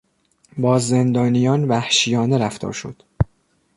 با زندانیان وحشیانه رفتار شد.